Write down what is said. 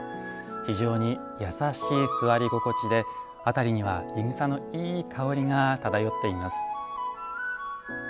非常に優しい座り心地で辺りにはい草のいい香りが漂っています。